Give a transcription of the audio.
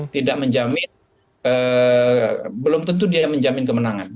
tidak menjamin belum tentu dia menjamin kemenangan